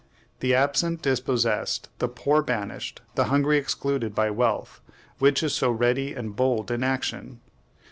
The absent dispossessed, the poor banished, the hungry excluded by wealth, which is so ready and bold in action!